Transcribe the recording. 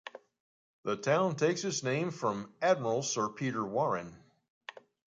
The town takes its name from Admiral Sir Peter Warren.